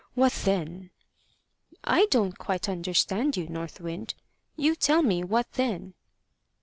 What then?" "I don't quite understand you, North Wind. You tell me what then."